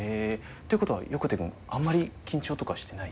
っていうことは横手くんあんまり緊張とかはしてない？